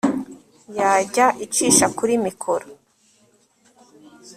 yajya icisha kuri mikoro